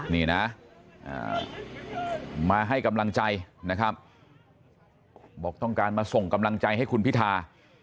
นี่นะมาให้กำลังใจนะครับบอกต้องการมาส่งกำลังใจให้คุณพิธา